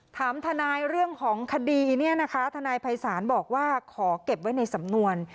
ถามทนายเรื่องของคดีเนี่ยนะคะทนายภัยศาลบอกว่าขอเก็บไว้ในสำนวน